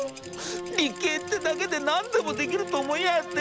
理系ってだけで何でもできると思いやがって。